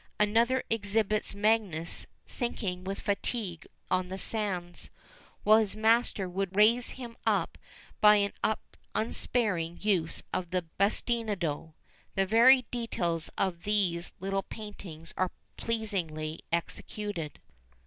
Another exhibits Magius sinking with fatigue on the sands, while his master would raise him up by an unsparing use of the bastinado. The varied details of these little paintings are pleasingly executed.